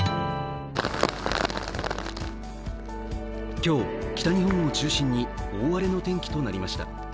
今日、北日本を中心に大荒れの天気となりました。